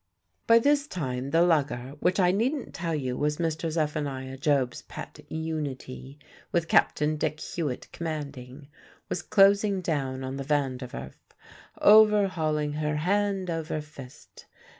By this time the lugger which I needn't tell you was Mr. Zephaniah Job's pet Unity, with Captain Dick Hewitt commanding was closing down on the Van der Werf, overhauling her hand over fist.